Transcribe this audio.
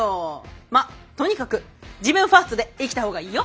まっとにかく自分ファーストで生きたほうがいいよ。